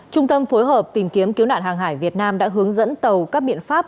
trung tâm phối hợp tìm kiếm cứu nạn hàng hải việt nam đã hướng dẫn tàu các biện pháp